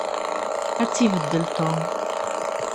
Ad tt-ibeddel Tom.